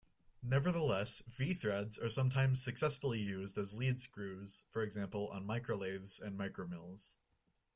Nevertheless, V-threads are sometimes successfully used as leadscrews, for example on microlathes and micromills.